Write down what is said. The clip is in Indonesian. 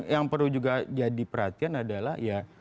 yang perlu juga jadi perhatian adalah ya